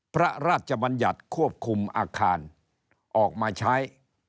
พระราชบัญญัติควบคุมอาคารออกมาใช้